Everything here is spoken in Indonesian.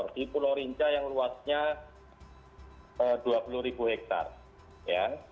di pulau rinca yang luasnya dua puluh ribu hektare